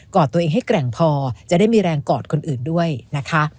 อดตัวเองให้แกร่งพอจะได้มีแรงกอดคนอื่นด้วยนะคะ